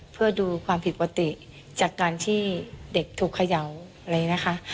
เพื่อดูความผิดปกติจากการที่เด็กถูกเขย่าอะไรอย่างนี้นะคะ